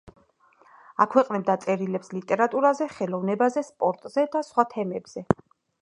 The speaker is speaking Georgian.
აქვეყნებდა წერილებს ლიტერატურაზე, ხელოვნებაზე, სპორტზე და სხვა თემებზე.